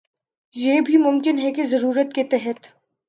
یہ بھی ممکن ہے کہہ ضرورت کے تحت